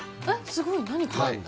すごい何これはい